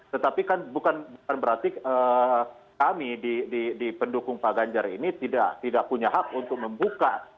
tetapi kan bukan berarti kami di pendukung pak ganjar ini tidak punya hak untuk membuka